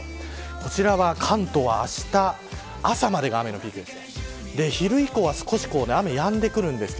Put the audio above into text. こちらは、関東はあした朝までが雨のピークです。